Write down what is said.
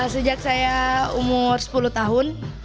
sejak saya umur sepuluh tahun